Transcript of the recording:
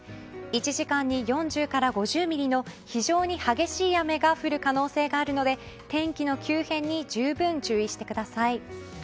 １時間に４０から５０ミリの非常に激しい雨が降る可能性があるので天気の急変に十分注意してください。